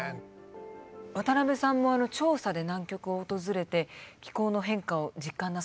渡辺さんも調査で南極を訪れて気候の変化を実感なさいますか？